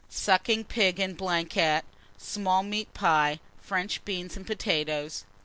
Sucking pig en blanquette, small meat pie, French beans, and potatoes.